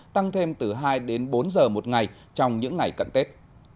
tăng thêm từ hai đến bốn giờ một ngày trong những ngày cận tết